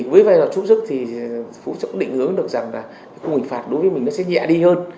với vai trò giúp sức thì phú cũng định hướng được rằng là khung hình phạt đối với mình sẽ nhẹ đi hơn